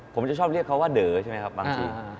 ผมจะชอบเรียกเขาว่าเด๋อใช่ไหมครับบางที